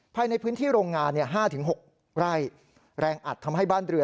ภายในพื้นที่โรงงาน๕๖ไร่แรงอัดทำให้บ้านเรือ